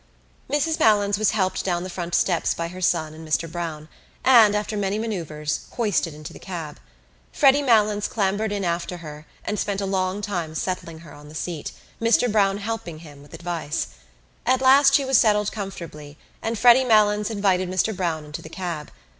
Mrs Malins was helped down the front steps by her son and Mr Browne and, after many manœuvres, hoisted into the cab. Freddy Malins clambered in after her and spent a long time settling her on the seat, Mr Browne helping him with advice. At last she was settled comfortably and Freddy Malins invited Mr Browne into the cab.